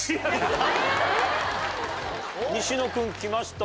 西野君きました。